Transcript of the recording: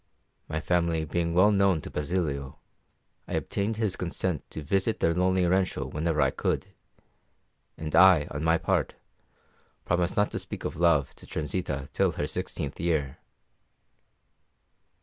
My family being well known to Basilio, I obtained his consent to visit their lonely rancho whenever I could; and I, on my part, promised not to speak of love to Transita till her sixteenth year.